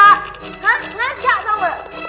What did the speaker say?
hah ngaca tau gak